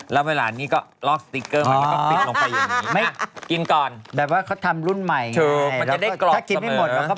เราก็เป็นสมคัหมได้น่ะ